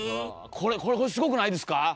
これこれすごくないですか？